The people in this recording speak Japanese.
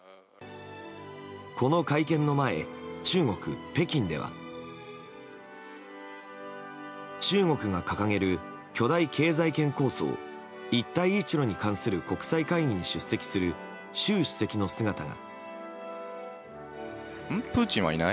この会見の前、中国・北京では中国が掲げる巨大経済圏構想一帯一路に関する国際会議に出席する習主席の姿が。